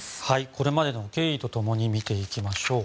これまでの経緯と共に見ていきましょう。